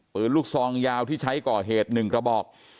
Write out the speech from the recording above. ปืนลูกซองยาวที่ใช้ก่อเหตุ๑กระบอก